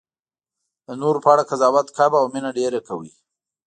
د نورو په اړه قضاوت کم او مینه ډېره کوئ.